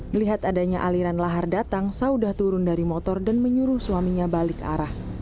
melihat adanya aliran lahar datang saudah turun dari motor dan menyuruh suaminya balik arah